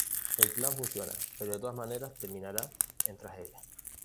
El plan funciona, pero de todas maneras terminará en tragedia.